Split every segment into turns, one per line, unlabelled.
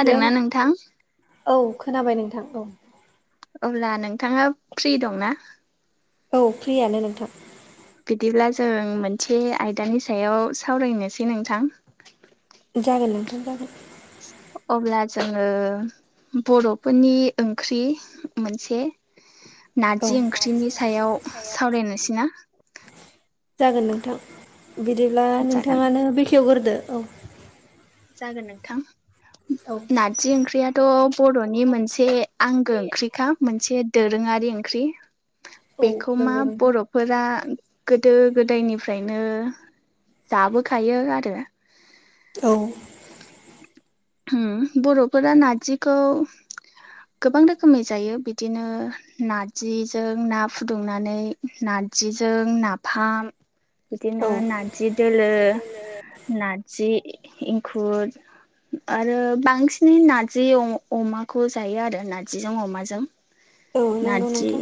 Hello
नोंथां?
औ खोनाबाय नोंथां औ
अब्ला नोंथाङा फ्रि दंना?
औ फ्रियानो नोंथां
बिदिब्ला जों मोनसे आयदानि सायाव सावरायनोसै नोंथां।
जागोन नोंथां जागोन
अब्ला जङो बर'फोरनि ओंख्रि मोनसे
औ
नारजि ओंख्रिनि सायाव सावरायनोसै ना?
जागोन नोंथां बिदिब्ला
जागोन
नोंथाङानो बेखेवग्रोदो औ
जागोन नोंथां।
औ
नारजि ओंख्रियाथ' बर'नि मोनसे आंगो ओंख्रिखा मोनसे दोरोङारि ओंख्रि
औ
बेखौ मा
नंगौ नोंथां
बरफ फोरा गोदो गोदायनिफ्रायनो जाबोखायो आरो
औ
उम बर'फोरा नारजिखौ गोबां रोखोमै जायो बिदिनो नारजिजों ना फुदुंनानै नारजिजों नाफाम बिदिनो
औ
नाजि दोलो, नाजि एंखुर आरो बांसिनै नार्जि अ-अमाखौ जायो आरो नारजिजों अमाजों
औ नंगौ
नारजि
नोंथां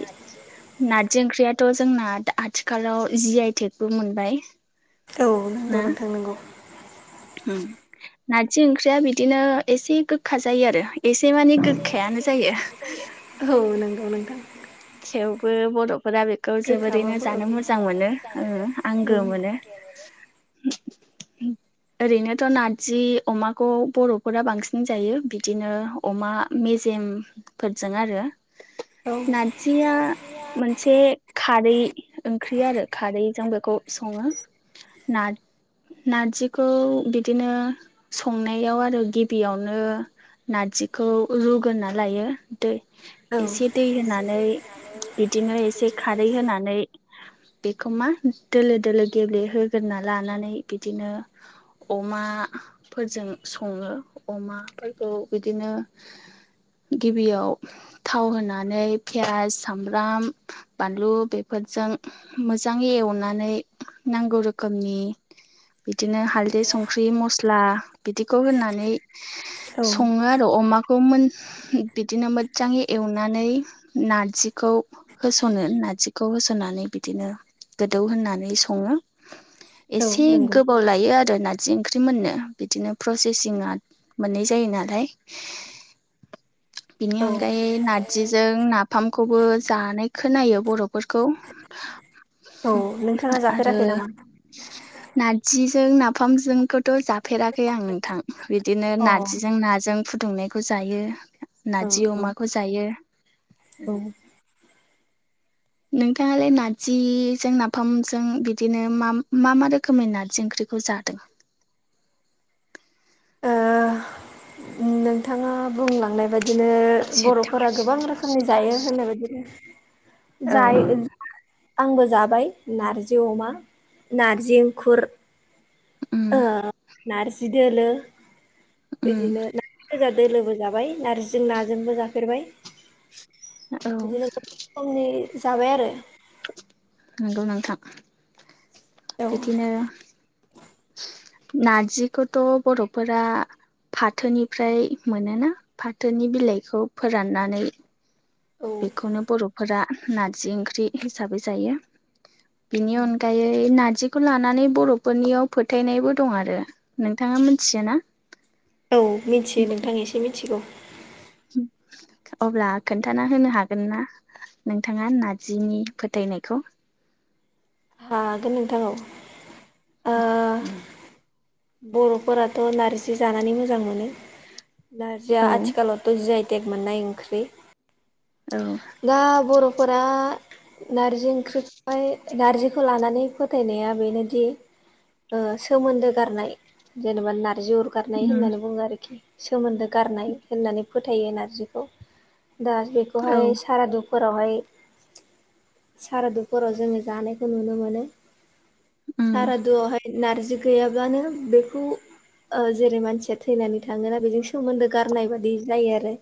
नाजि ओंख्रियाथ' जोंना दा आथिखालाव जि आइ टेकबो मोनबाय
औ नंगौ
ना
नोंथां नोंगौ
नारजि ओंख्रिया बिदिनो एसे गोखा जायो आरो एसे माने गोखायानो जायो
औ नंगौ नोंथां
थेवबो बर'फोरा बे खौ जोबोरैनो
गोखाबाबो औ
जानो मोजां मोनो ओ
औ
आंगो मोनो ओरैनोथ' नाजि अमाखौ बर'फोरा बांसिन जायो बिदिनो अमा मेजेमफोरजों आरो
औ
नारजिया मोनसे खारै ओंख्रि आरो खारैजों बेखौ सङो नार-नारजि खौ बिदिनो संनायाव आरो गिबियावनो नारजिखौ रुगोना लायो दै
औ
एसे दै होनानै बिदिनो एसे खारै होनानै बेखौ मा दोलो दोलो गेब्लेहोगोरोना लानानै बिदिनो अमा फोरजों सङो अमाफोरखौ बिदिनो गिबियाव थाव होनानै फियास सामब्राम बानलु बेफोरजों मोजाङै एवनानै नांगौ रोखोमनि दिनो हालदै संख्रि मस्ला बिदिखौ होननानै
औ
सङो अमाखौ मोन बिदिनो मोजांङै एवनानै नारजिखौ होस'नो नारजिखौ होसननानै बिदिनो गोदौ होननानै संङो।
औ
एसे
नंगौ
गोब बाव लायो आरो नारजि ओंख्रि मोननो बिदिनो प्रसेसिंआ मोननाय जायो नालाय। बिनि
औ
अनगायै ना जि जों नाफामखौबो जानाय खोनायो बर'फोरखौ।
औ नोंथाङा
आरो
जाफेराखै नामा
नारजिजों नाफामजोंखौथ' जाफेराखै आं नोंथां। बिदिनो
अ
नारजिजों नाजों फुदुंनायखौ जायो।
औ
नारजि
औ
अमाखौ जायो उम।
औ
नोंथांङालाय नारजिजों नाफामजों बिदिनो माम मा मा रोखोमै नारजि ओंख्रिखौ जादों?
नोंथांङा बुंलांनाय बायदिनो बर'फोरा गोबां रोखोम फंनि जायो होननाय बायदिनो
औ
जायो [unintelligible] आंबो जाबाय नारजि अमा नारजि एंखुर
उम
ओ नारजि दोलो
उम
इदिनो गोजा दोलोबो जाबाय नारजिजों नाजोंबो जाफेरबाय
औ
बिदिनो रोखोमनि जाबाय आरो।
नंगौ नोंथां
औ
बिदिनो नारजिखौथ' बर'फोरा फाथोनिफ्राय मोनोना फाथोनि बिलाइखौ फोराननानै
औ
बेखौनो बर'फोरा नारजि ओंख्रि हिसाबै जायो। बेनि अनगायै बै नार्जिखौ लानानै बर'फोरनियाव फोथायनायबो दं आरो नोंथांङा मिथियो ना? [inaudible]
औ मिथियो नोंथां एसे मिथिगौ।
अब्ला खोन्थाना होनो हागोन ना? नोंथांङा नारजिनि फोथायनायखौ
हागोन नोंथां औ ओ
[unintelligible]
बर'फोराथ' नार्जि जानानै मोजां मोनो नारजिया
औ
आथिखालाव थ' जिआइटेग मोननाय ओंख्रि।
औ
दा बर'फोरा नारजि ओंख्रिखौहाय नारजिखौ लानानै फोथायनाया बेनोदि ओ सोमोन्दो गारनाय जेनेबा नारजि अर गारनाय
उम
होननानै बुंङो आरोखि। सोमोन्दो गारनाय होननानै फोथायो नारजिखौ दा
औ
बेखौहाय सारादुखु फोरावहाय सारादुफोराव जोंङो जानायखौ नुनो मोनो।
उम
सारादुआवहाय नारजि गैयाब्लानो बेखौ ओ जेरै मानसिया थैनानै थांङोना बेजों सोमोन्दो गारनाय बादि जायो आरो।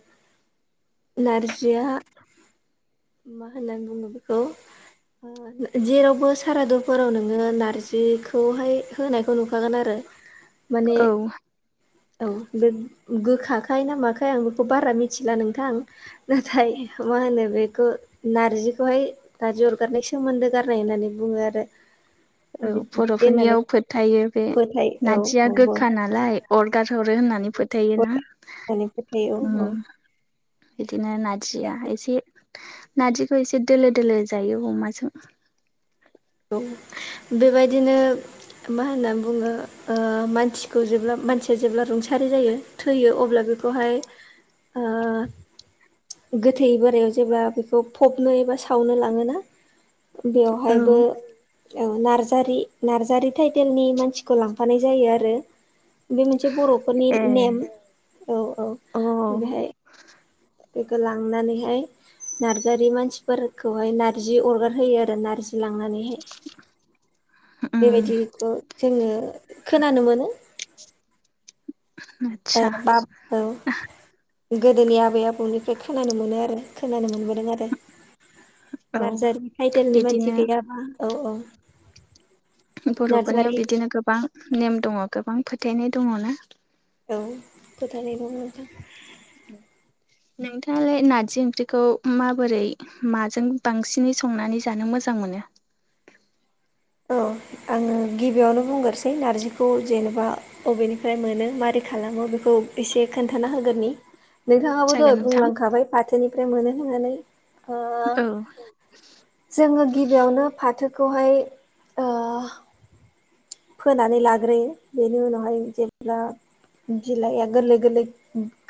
नारजिया मा होननानै बुंङो बेखौ ओ जेरावबो सारादुफोराव नोंङो नारजिखौहाय होनाय खौ नुखागोन आरो माने
औ
औ बे गोखाखाय ना माखाय आं बेखौ बारा मिथिला नोंथां नाथाय मा होनो बेखौ नारजिखौहाय नारजि अरगारनाय सोमोन्दो गारनाय होननानै बुंङो आरो।
औ
बिदि होननानै
बर'फोरनियाव फो फोथायो बे
फोथाय औ
नारजिया
औ बुं
गोखा नालाय अरगारहरो होननानै फोथायो ना।
बया होननानै फोथायो औ औ।
बिदिनो नारजिया एसे नारजिखौ एसे दोलो दोलो जायो अमाजों।
खौ बेबायदिनो मा होनना बुंङो मानसिखौ जेब्ला मानसिया जेब्ला रुंसारि जायो थैयो अब्ला बेखौहाय ओ गोथै बोरायाव जेब्ला बेखौ फबनो एबा सावनो लाङोना
औ
बेवहायबो औ नार्जारि नार्जारि टाइटेलनि मानसिखौ लांफानाय जायो आरो। बे मोनसे बर'फोरनि
ए
नेम औ औ ओ
अ
बेहाय। बेखौ लांनानैहाय नारजारि मानसिफोरखौहाय नारजि अरगार होयो आरो नारजि लांनानै
उम
बेबायदिखौ जोङो खोनानो मोनो
ओम
ओ बाब औ। गोदोनि आबै आबौनिफ्राय खोनानो मोनो आरो खोनानो मोनबोदों आरो
औ
नार्जारि टाइटेलनि मानसि
बिदिनो
गैयाबा औ औ
बर'फोरनियाव
नार्जारि
बिदिनो गोबां नेम दङ गोबां फोथायनाय दङ ना
औ फोथायनाय दं नोंथां
नोंथाङालाय नारजि ओंख्रिखौ माबोरै माजों बांसिनै संनानै जानो मोजां मोनो?
औ आङो गिबियावनो बुंग्रोसै नारजिखौ जेनेबा बबेनिफ्राय मोनो मारै खालामो बेखौ एसे खोन्थाना होगोननि नोंथाङाबो
जागोन
द'
नोंथां
बुंलांखाबाय फाथोनिफ्राय मोनो होननानै
औ
जोङो गिबियावनो फाथोखौहाय फोनानै लाग्रोयो बेनि उनावहाय जेब्ला बिलाइआ गोरलै गोरलै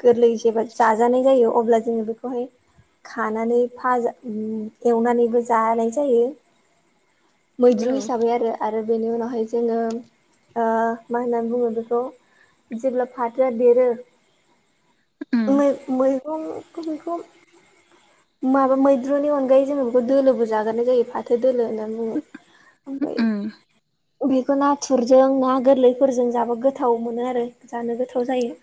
गोरलै जेब्ला जाजानाय जायो अब्ला जोङो बेखौहाय खानानै फाजा एवनानैबो जानाय जायो। मैद्रु
औ
हिसाबै आरो आरो बेनि उनावहाय जोङो मा होननानै बुङो बेखौ जेब्ला फाथोआ देरो
उम
गुमै गुमै दं बेखौ बेखौ माबा मैद्रुनि अनगायै जोङो बेखौ दोलोबो जाग्रोनाय जायो फाथो दोलो होननानै बुङो ओमफ्राय
उम
बेखौ नाथुरजों ना गोरलैफोरजों जाबो गोथाव मोनो आरो जानो गोथाव जायो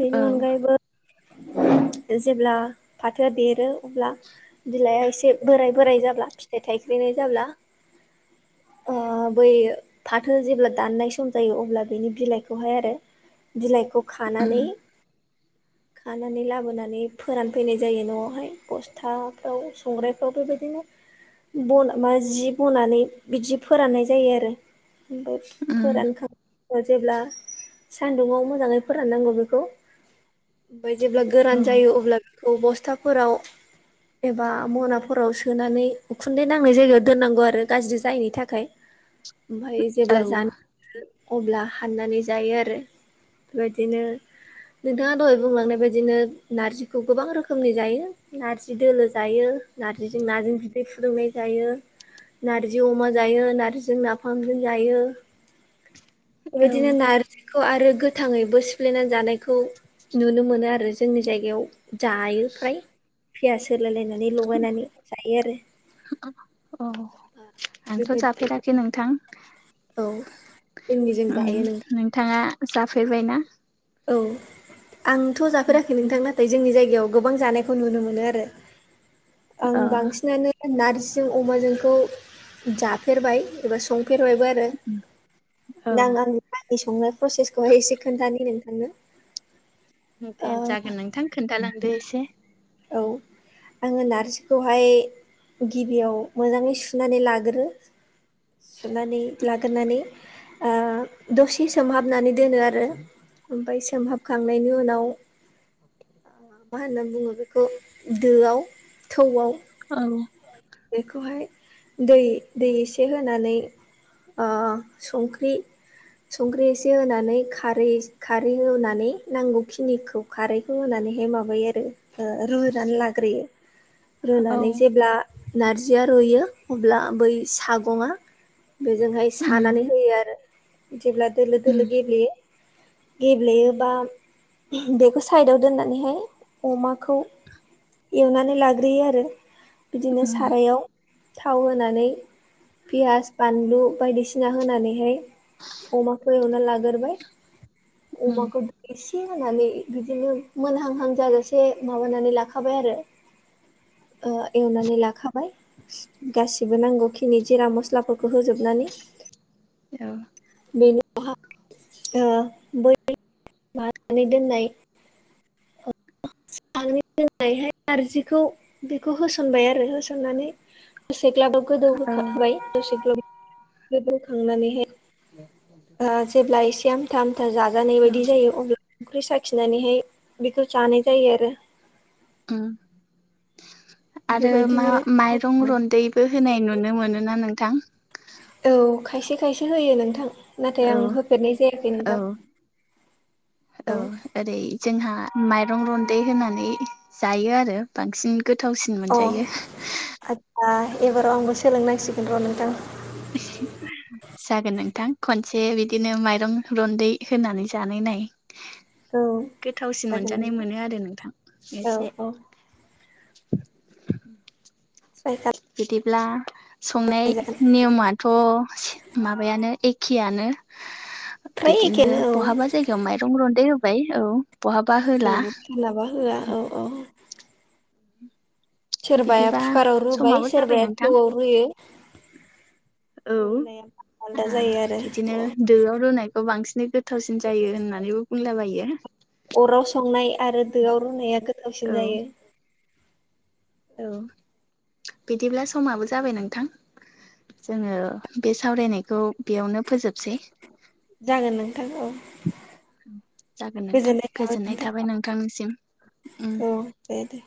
बेनि
औ
अनगायैबो जेब्ला फाथो देरो अब्ला बिलया एसे बोराइ बोराइ जाब्ला फिथाइ थाइख्ल्रिनाय जाब्ला बै फाथो जेब्ला दाननाय सम जायो अब्ला बिनि बिलाइखौहाय आरो बिलाइखौ
उम
खानानै खानानै लाबोनानै फोरानफैनाय जायो न'आवहाय खस्थ' फोथाफ्राव संरफ्राव बेबायदिनो बन मा जि बनानै बिदि फोराननाय जायो आरो। ओमफ्राय
उम
फोरानखां जेब्ला सान्दुङाव मोजाङै फोराननांगौ बेखौ। ओमफ्राय जेब्ला
औ
गोरान जायो अब्ला बेखौ बस्थाफोराव एबा मनाफोराव सोनानै उखुन्दै नांनाय जायगायाव दोननांगौ आरो गाज्रि जायैनि थाखाय। ओमफ्राय
औ
जेब्ला जानो हानो अब्ला हाननानै जायो आरो बेबायदिनो नोंथाङा दहाय बुंलांनाय बायदिनो नारजिखौ गोबां रोखोमनि जायो नार्जि दोलो जायो नार्जिजों नाजों बिदै फुदुंनाय जायो नार्जि अमा जायो नार्जिजों नाफामजों जायो
औ
बेबायदिनो नारजि खौ आरो गोथाङै बो सिफ्लेनानै जानायखौ नुनो मोनो आरो जोंनि जायगायाव जायो फ्राय। पियास होलाय लायनानै लगायनानै जायो आरो।
औ आंथ'
बेबायदिनो
जाफेराखै नोंथां।
औ जोंनिजों
उम
जायो नोंथां
नोंथाङा जाफैबाय ना
औ आंथ' जाफेराखै नोंथां नाथाय जोंनि जायगायाव गोबां जानायखौ नुनो मोनो आरो आं
अ
बांसिनानो नार्जिजों अमाजोंखौ जाफेरबाय एबा संफेरबायबो आरो
औ
दा आं आंनि आंनि संनाय प्रसेसखौहाय एसे खोन्थानि नोंथांनो
दे
ओ
जागोन नोंथां खोन्थालांदो एसे
औ आङो नारजिखौहाय गिबियाव मोजाङै सुनानै लागोरो सुनानै लागोरनानै आ दसे सोमहाबनानै दोनो आरो ओमफाय सोमहाबखांनायनि उनाव मा होनना बुङो बे बेखौ दोआव थौआव
औ
बेखौहाय दै दै एसे होनानै अ संख्रि संख्रि एसे होनानै खारै एसे खारै होनानै नांगौखिनिखौ खारैखौ होनानैहाय माबायो आरो ओ रुनानै लाग्रोयो
औ
रुनानै जेब्ला नारजिया रुइयो अब्ला बै सागंआ बेजोंहाय
उम
सानानै होयो आरो जेब्ला दोलो
उम
दोलो गेब्लेयो गेब्लेयोबा बेखौ साइदाव दोननानैहाय अमाखौ एवनानै लाग्रोयो आरो बिदिनो
उम
सारायाव थाव होनानै पियास बानलु बायदिसिना होनानैहाय अमाखौ एवना लागोरबाय
[inaudible]
अमाखौ एसे होनानै बिदिनो मोनहांहां जाजासे माबानानै लाखाबाय आरो
[inaudible]
ओ एवनानै लाखाबाय गासिबो नांगौखिनि जिरा मस्लाफोरखौ होजोबनानै
औ
बेनि उनावहा बै ओ [unintelligible] दोननाय [unintelligible] दोननायहाय नारजिखौ बेखौ होसनबाय आरो होसननानै दसे ग्लाब ग्लाब
औ
गोदौहोखांबाय दसे ग्लाब गोदौखांनानैहाय आ जेब्ला एसे आमथा आमथा जाजानाय
औ
बायदि जायो अब्ला संख्रि साखिनानैहाय बेखौ जानाय जायो आरो
ओम आरो
बेबायदिनो
मा-माइरं रन्दैबो होनाय नुनो मोनोना नोंथां
औ खायसे खायसे होयो नोंथां नाथाय
औ
आं होफेरनाय जायाखै
औ
नोंथां
औ ओरै जोंहा माइरं रन्दै होनानै जायो आरो बांसिन गोथावसिन मोनजायो
ओ एबाराव आंबो सोलोंनांसिगोन र' नोंथां
[unintelligible] जागोन नोंथां खनसे बिदिनो माइरं रन्दै होनानै जानाय नाय
औ
गोथावसिन
जागोन
मोनजानाय
नोंथां
मोनो आरो नोंथां
औ
एसे
औ [unintelligible]
बिदिब्ला संनाय
खालामनाय जागोन
नियमा थ' माबायानो एखेयानो
फ्राय
बिदिनो
एखेनो औ
बहाबा जायगायाव दैयाव माइरं रुन्दै होबाय औ बहाबा होला
औ सोरनाबा होआ औ - औ। सोरबाया
बिदिबा
कुकाराव रुबाय
समाबो जाबाय
सोरबाया
नोंथां
थौआव रुयो।
[inaudible] औ
रुनाया आलदा जायो आरो
बिदिनो दोआव रुनायखौ बांसिनै गोथावसिन जायो होननानैबो बुंला बायो।
अराव संनाय आरो दोआव रुनाया
औ
गोथावसिन जायो।
औ बिदिब्ला समाबो जाबाय नोंथां। जोङो बे सावरायनायखौ बेयावनो फोजोबसै।
जागोन नोंथां औ।
जागोन नोंथां गोजोननाय थाबाय नोंथांनिसिम उम।
औ दे दे।